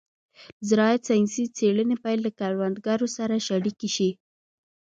د زراعت ساینسي څېړنې باید له کروندګرو سره شریکې شي.